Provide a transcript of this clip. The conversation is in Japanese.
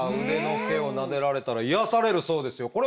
腕の毛をなでられたら癒やされるそうですよ。